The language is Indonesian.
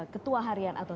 ketua harian atau